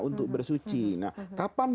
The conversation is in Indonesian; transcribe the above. untuk bersuci nah kapan